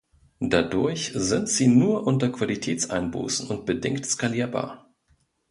Dadurch sind sie nur unter Qualitätseinbußen und bedingt skalierbar.